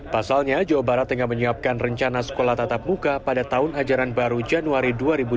pasalnya jawa barat tengah menyiapkan rencana sekolah tatap muka pada tahun ajaran baru januari dua ribu dua puluh